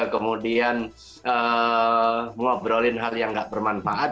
kemudian ngobrolin hal yang gak bermanfaat